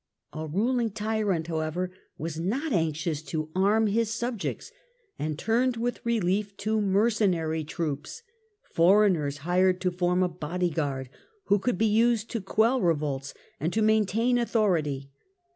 A rul ing tyrant, however, was not anxious to arm his subjects, and turned with relief to mercenary troops, foreigners hired to form a body guard, who could be used to quell revolts and to maintain authority.